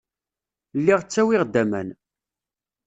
Lliɣ ttawiɣ-d aman.